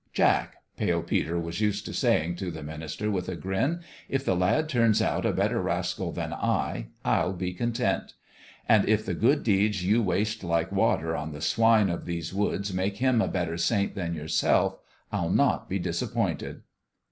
"Jack," Pale Peter was used to saying to the minister, with a grin, " if the lad turns out a better rascal than I, Pll be content ; and if the good deeds you waste like water on the swine of these woods make him a better saint than yourself, I'll not be disappointed."